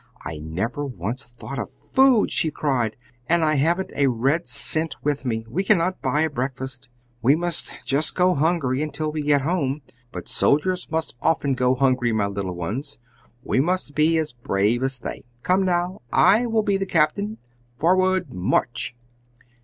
"I never once thought of food!" she cried, "and I haven't a red cent with me! We cannot buy a breakfast! We must just go hungry until we get home! But soldiers must often go hungry, my little ones. We must be as brave as they. Come, now. I will be the captain! Forward march!"